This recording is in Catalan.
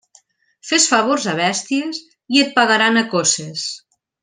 Fes favors a bèsties i et pagaran a coces.